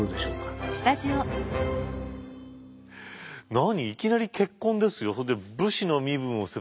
何いきなり結婚ですよ。